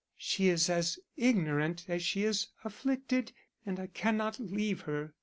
She is as ignorant as she is afflicted and I cannot leave her.